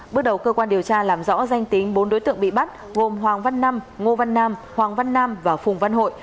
bước đầu cơ quan điều tra làm rõ danh tính bốn đối tượng bị bắt gồm hoàng văn năm ngô văn nam hoàng văn nam và phùng văn hội